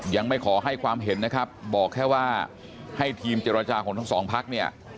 ยังไม่ขอให้ความเห็นนะครับบอกแค่ว่าให้ทีมเจรจาของทั้งสองพักเนี่ย